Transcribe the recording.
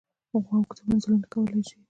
غوا اوږده مزلونه کولی شي.